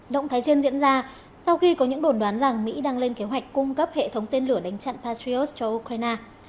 động thái trên diễn ra sau khi có những đồn đoán rằng mỹ đang lên kế hoạch cung cấp hệ thống tên lửa đánh chặn patriot cho ukraine